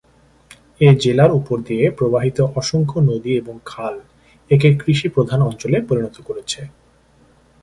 এ জেলার উপর দিয়ে প্রবাহিত অসংখ্য নদী এবং খাল একে কৃষিপ্রধান অঞ্চলে পরিণত করেছে।